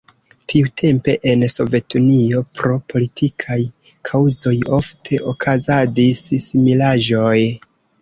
Tiutempe en Sovetunio pro politikaj kaŭzoj ofte okazadis similaĵoj.